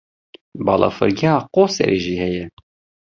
Balafirgeha Qoserê jî heye.